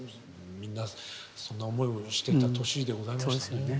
みんなそんな思いをしてた年でございましたね。